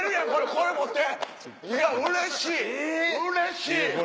これ持っていやうれしいうれしい。